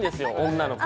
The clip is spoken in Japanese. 女の子。